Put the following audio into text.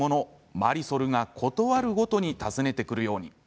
マリソルが、ことあるごとに訪ねてくるように。